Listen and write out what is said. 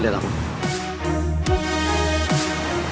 nah itu yang gue kasih